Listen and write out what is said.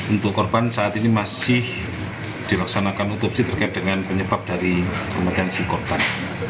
untuk korban saat ini masih dilaksanakan otopsi terkait dengan penyebab dari kompetensi korban